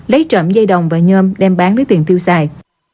lấy trộm dây đồng và nhôm đem bán nước tiền thiêu xài